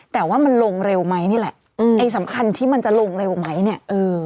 แต่ว่ามันลงเร็วไหมนี่แหละอืมไอ้สำคัญที่มันจะลงเร็วไหมเนี่ยเออ